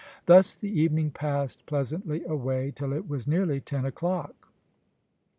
Thus the evening passed pleasantly away, till it was nearly ten o'clock.